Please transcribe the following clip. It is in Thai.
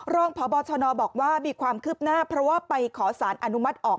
รองพบชนบอกว่ามีความคืบหน้าเพราะว่าไปขอสารอนุมัติออก